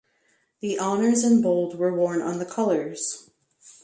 The honours in bold were worn on the Colours.